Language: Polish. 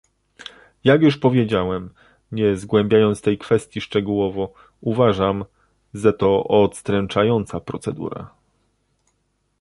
Jak już powiedziałem, nie zgłębiając tej kwestii szczegółowo, uważam, ze to odstręczająca procedura